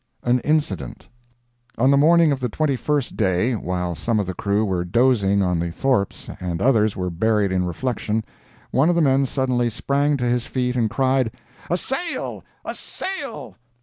AN INCIDENT On the morning of the twenty first day, while some of the crew were dozing on the thwarts and others were buried in reflection, one of the men suddenly sprang to his feet and cried, "A sail! a sail!"